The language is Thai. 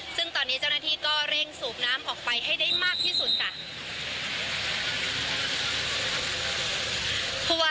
ซึ่งตอนนี้เจ้าหน้าที่ก็เร่งสูบน้ำออกไปให้ได้มากที่สุดค่ะ